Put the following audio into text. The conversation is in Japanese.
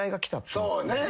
そうね。